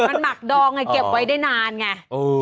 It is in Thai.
มันหมักดองไงเก็บไว้ได้นานไง